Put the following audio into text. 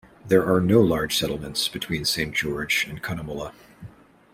There are no large settlements between Saint George and Cunnamulla.